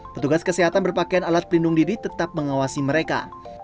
petugas kesehatan berpakaian alat pelindung diri tetap mengawasi mereka